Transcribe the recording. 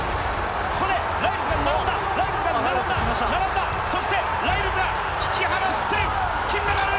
ここでライルズが並んだライルズが並んだ並んだそしてライルズが引き離して金メダル！